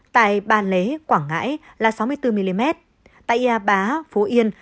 tại ba lế quảng ngãi là sáu mươi bốn mm tại yà bá phố yên